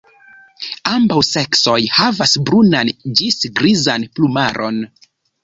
Ambaŭ seksoj havas brunan ĝis grizan plumaron.